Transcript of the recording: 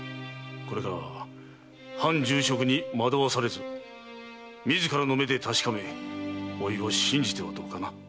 これからは藩重職に惑わされず自らの目で確かめ甥を信じてはどうかな？